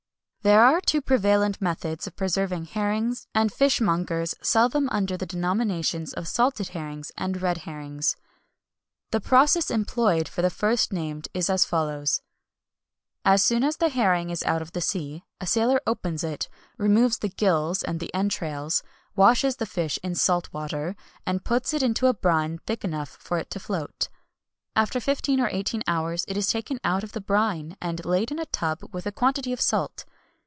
There are two prevalent methods of preserving herrings, and fishmongers sell them under the denominations of salted herrings and red herrings. The process employed for the first named is as follows: As soon as the herring is out of the sea, a sailor opens it, removes the gills and the entrails, washes the fish in salt water, and puts it into a brine thick enough for it to float. After fifteen or eighteen hours, it is taken out of the brine and laid in a tub with a quantity of salt.